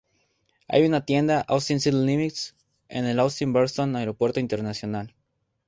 Hay una tienda "Austin City Limits" en el Austin-Bergstrom, Aeropuerto Internacional.